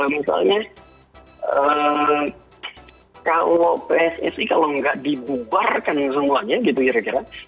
misalnya kalau pssi kalau nggak dibubarkan semuanya gitu kira kira